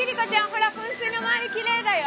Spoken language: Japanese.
ほら噴水の周り奇麗だよ。